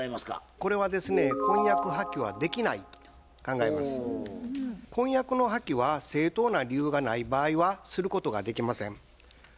これはですね婚約の破棄は正当な理由がない場合はすることができません。